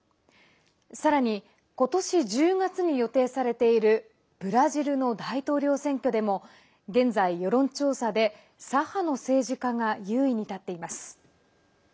さらに、ことし１０月に予定されているブラジルの大統領選挙でも現在、世論調査で左派の政治家が優位に立っています。